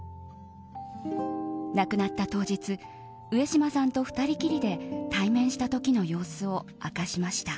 亡くなった当日上島さんと２人きりで対面した時の様子を明かしました。